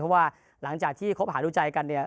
เพราะว่าหลังจากที่คบหาดูใจกันเนี่ย